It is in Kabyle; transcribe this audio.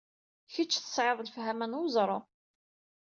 Kecc tesɛiḍ lefhama n weẓru.